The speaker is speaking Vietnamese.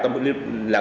tâm hồn liên lạc